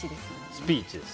スピーチです。